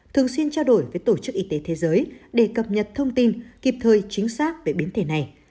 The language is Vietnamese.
thường xuyên trao đổi với tổ chức y tế thế giới để cập nhật thông tin kịp thời chính xác về biến thể này